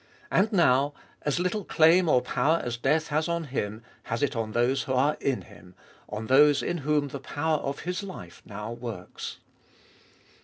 And now, as little claim or power as death has on Him, has it on those who are in Him, on those in whom the power of His life now works.